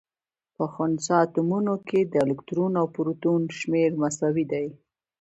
په خنثا اتومونو کي د الکترون او پروتون شمېر مساوي. دی